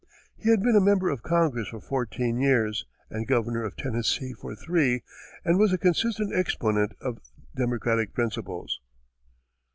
He had been a member of Congress for fourteen years, and governor of Tennessee for three, and was a consistent exponent of Democratic principles.